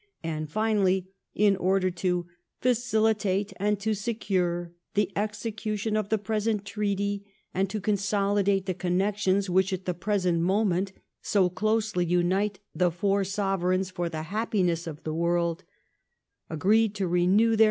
and finally, in order to *' facilitate and to secure the execution of the present Treaty and to consolidate the connections which at the present moment so closely unite the four Sovereigns for the happiness of the world," agreed to "renew their nxeetings at fixed J periods